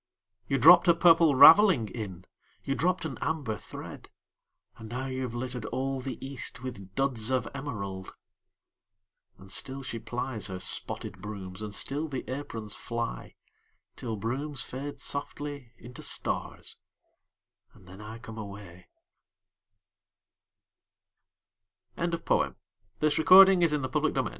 You dropped a Purple Ravelling in You dropped an Amber thread And now you've littered all the east With Duds of Emerald! And still she plies her spotted Brooms, And still the Aprons fly, Till Brooms fade softly into stars And then I come away Emily Dickinson (1861) There's a certain Slant of lig